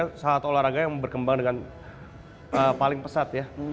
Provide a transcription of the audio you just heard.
itu adalah olahraga yang berkembang dengan paling pesat ya